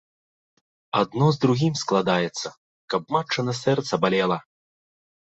Адно з другім складаецца, каб матчына сэрца балела.